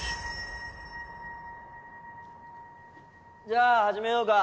じゃあ始めようか。